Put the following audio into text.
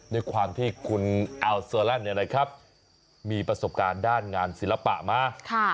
ในความที่คุณแอลเซอร์แลนด์เนี่ยนะครับมีประสบการณ์ด้านงานศิลปะมา